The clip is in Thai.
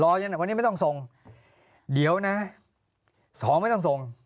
ยังวันนี้ไม่ต้องส่งเดี๋ยวนะสองไม่ต้องส่ง